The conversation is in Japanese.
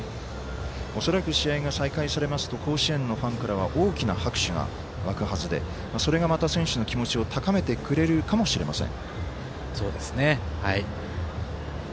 恐らく試合が再開されますと甲子園のファンからは大きな拍手が沸くはずでそれが、また選手の気持ちを高めてくれるかもしれません。